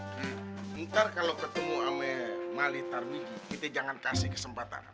tar ntar kalau ketemu sama mali tar mijie kita jangan kasih kesempatan